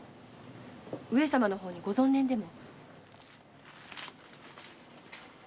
上様の方にご存念でも？